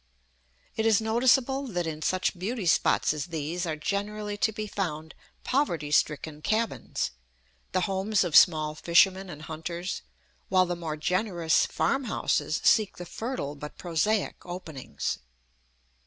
It is noticeable that in such beauty spots as these are generally to be found poverty stricken cabins, the homes of small fishermen and hunters; while the more generous farm houses seek the fertile but prosaic openings.